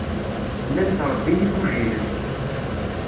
Llan ttṛebbin igujilen.